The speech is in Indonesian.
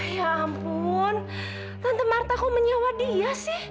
ya ampun tante marta kau menyewa dia sih